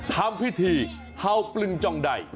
ทำพิธีเห่าปลึงจองใด